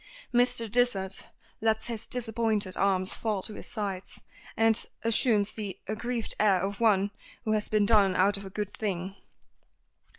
Mr. Dysart lets his disappointed arms fall to his sides, and assumes the aggrieved air of one who has been done out of a good thing.